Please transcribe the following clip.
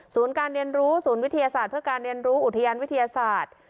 การเรียนรู้ศูนย์วิทยาศาสตร์เพื่อการเรียนรู้อุทยานวิทยาศาสตร์